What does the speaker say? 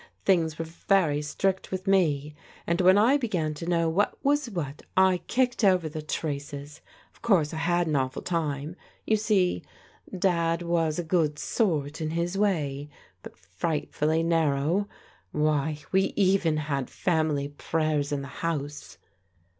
Things were very strict with me, and when I began to know what was what, I kicked over the traces. Of course, I had an awful time. You see. Dad was a good sort in his way, but frightfully narrow. Why, we even had family prayers in the house!"